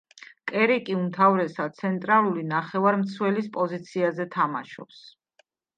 კერიკი უმთავრესად ცენტრალური ნახევარმცველის პოზიციაზე თამაშობს.